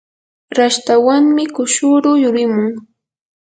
rashtawanmi kushuru yurimun.